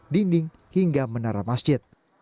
dinding hingga menara masjid